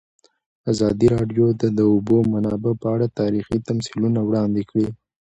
ازادي راډیو د د اوبو منابع په اړه تاریخي تمثیلونه وړاندې کړي.